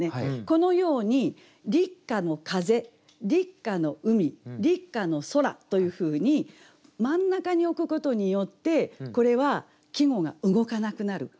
このように「立夏の風」「立夏の海」「立夏の空」というふうに真ん中に置くことによってこれは季語が動かなくなる。